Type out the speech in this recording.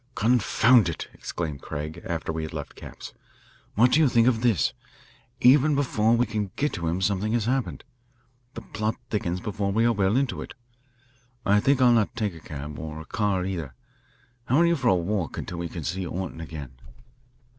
"Confound it!" exclaimed Craig, after we had left Capps. "What do you think of this? Even before we can get to him something has happened. The plot thickens before we are well into it. I think I'll not take a cab, or a car either. How are you for a walk until we can see Orton again?"